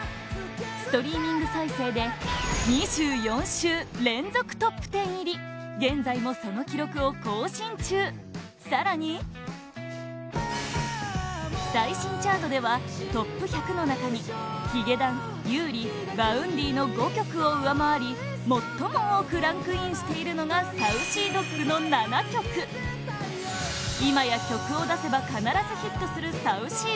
ストリーミング再生で２４週連続トップ１０入り現在もその記録を更新中更に最新チャートではトップ１００の中にヒゲダン、優里、Ｖａｕｎｄｙの５曲を上回り最も多くランクインしているのがＳａｕｃｙＤｏｇの７曲今や曲を出せば必ずヒットするＳａｕｃｙＤｏｇ